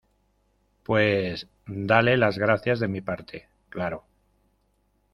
pues dale las gracias de mi parte. claro .